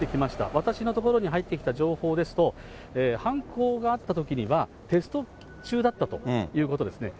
私のところに入ってきた情報ですと、犯行があったときには、テスト中だったということですね。